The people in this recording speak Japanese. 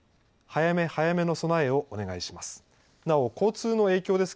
早め早めの備えをお願いします。